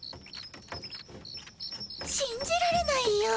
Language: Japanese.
しんじられないよ。